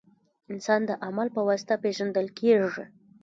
• انسان د عمل په واسطه پېژندل کېږي.